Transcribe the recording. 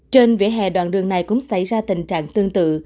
trên vỉa hè đoạn đường này cũng xảy ra tình trạng tương tự